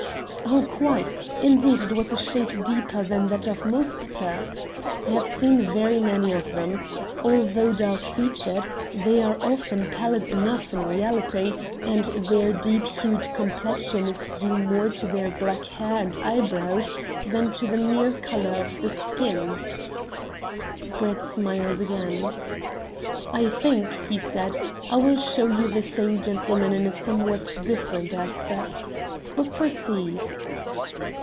"Oh, quite. Indeed it was a shade deeper than that of most Turks. I have seen very many of them. Although dark featured, they are often pallid enough in reality, and their deep hued complexion is due more to their black hair and eyebrows than to the mere colour of the skin." Brett smiled again. "I think," he said, "I will show you the same gentleman in a somewhat different aspect. But proceed."